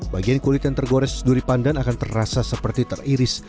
bagian kulit yang tergores duri pandan akan terasa seperti teriris